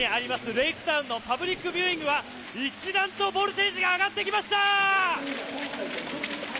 レイクタウンのパブリックビューイングは一段とボルテージが上がってきました！